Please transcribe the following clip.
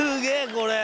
これ。